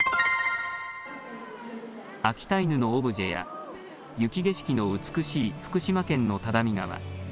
秋田犬のオブジェや雪景色の美しい福島県の只見川。